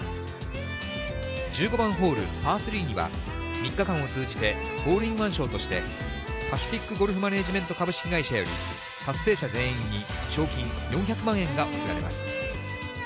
１５番ホールパー３には、３日間を通じて、ホールインワン賞として、パシフィックゴルフマネージメント株式会社より、達成者全員に賞金４００万円が贈られます。